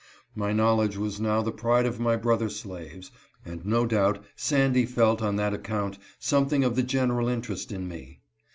My knowledge was now the pride of my brother slaves, and no doubt Sandy felt on that account something of the general interest in me.